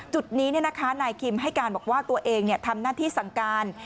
จุดนี้นายคิมให้การบอกว่าตัวเองทำหน้าที่สั่งการ